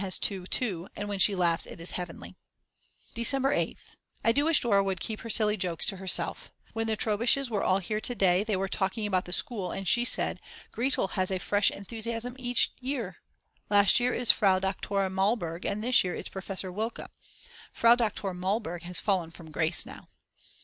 has two too and when she laughs its heavenly. December 8th. I do wish Dora would keep her silly jokes to herself. When the Trobisch's were all here to day they were talking about the school and she said: "Gretl has a fresh enthusiasm each year; last year it was Frau Doktor Malburg and this year it's Professor Wilke. Frau Doktor Malburg has fallen from grace now."